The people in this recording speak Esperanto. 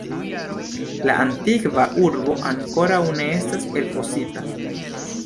La antikva urbo ankoraŭ ne estas elfosita.